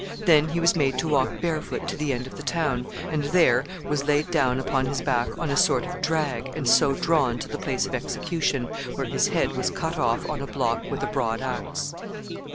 Then he was made to walk barefoot to the end of the town, and there was laid down upon his back on a sort of drag, and so drawn to the place of execution, where his head was cut off on a block with a broad axe.